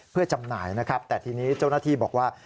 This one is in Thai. เพื่อจำหน่ายนะครับแต่ทีนี้เจ้าหน้าที่บอกว่า